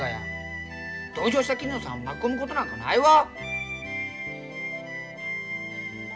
同情した霧野さんを巻き込むことなんかないわ。